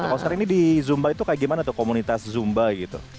kalau sekarang ini di zumba itu kayak gimana tuh komunitas zumba gitu